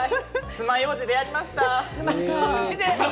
つまようじでやりました。